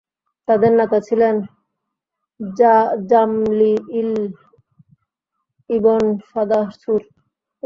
তাদের নেতা ছিলেন জামলীঈল ইবন ফাদাহ সূর।